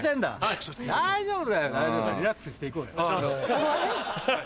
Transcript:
大丈夫だよ大丈夫リラックスしていこうよ。